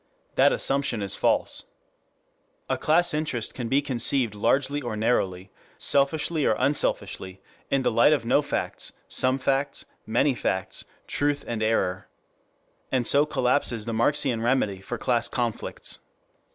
That assumption is false. A class interest can be conceived largely or narrowly, selfishly or unselfishly, in the light of no facts, some facts, many facts, truth and error. And so collapses the Marxian remedy for class conflicts.